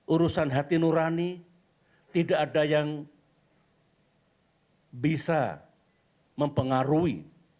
urusan hati nurani tidak ada yang bisa mempengaruhi